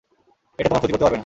এটা তোমার ক্ষতি করতে পারবে না।